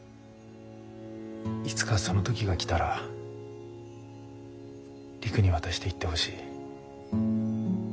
いつかその時が来たら璃久に渡して言ってほしい。